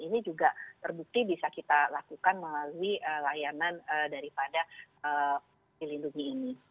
ini juga terbukti bisa kita lakukan melalui layanan daripada dilindungi ini